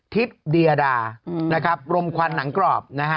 ทิศดียาดารมควันหนังกรอบ